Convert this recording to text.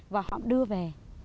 và họ đưa về